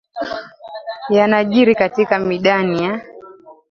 yanajiri katika midani ya